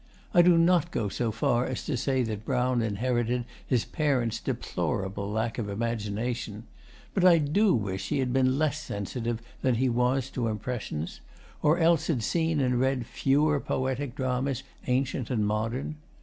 I do not go so far as to say that Brown inherited his parents' deplorable lack of imagination. But I do wish he had been less sensitive than he was to impressions, or else had seen and read fewer poetic dramas ancient and modern.